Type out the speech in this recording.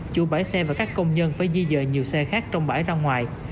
chủ bãi xe và các công nhân phải di dời nhiều xe khác trong bãi ra ngoài